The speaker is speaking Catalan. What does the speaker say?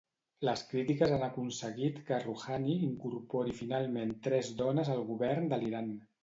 Les crítiques han aconseguit que Rouhani incorpori finalment tres dones al Govern de l'Iran.